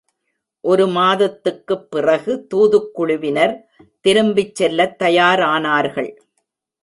ஒரு மாதத்துக்குப் பிறகு தூதுக் குழுவினர் திரும்பிச் செல்லத் தயாரானார்கள்.